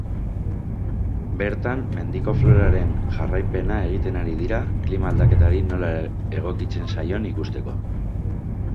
Bertan, mendiko floraren jarraipena egiten ari dira klima-aldaketari nola egokitzen zaion ikusteko.